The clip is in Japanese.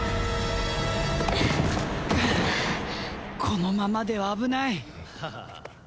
このままでは危ない。